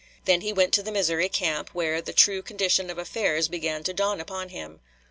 Then he went to the Missouri camp, where the true condition of affairs began to dawn upon him.